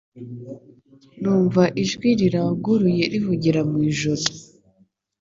Numva ijwi riranguruye rivugira mu ijuru